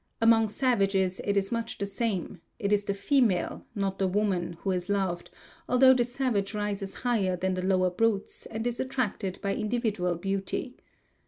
Among savages it is much the same: it is the female, not the woman, who is loved, although the savage rises higher than the lower brutes, and is attracted by individual beauty.